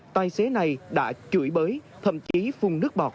tài xế này đã chửi bới thậm chí phung nước bọt